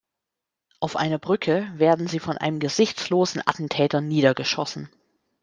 Auf einer Brücke werden sie von einem gesichtslosen Attentäter niedergeschossen.